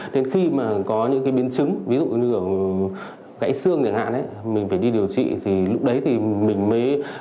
nên khi mà có những cái biến chứng ví dụ như ở gãy xương chẳng hạn mình phải đi điều trị thì lúc đấy thì mình mới